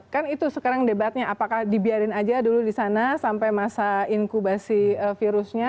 kan itu sekarang debatnya apakah dibiarin aja dulu di sana sampai masa inkubasi virusnya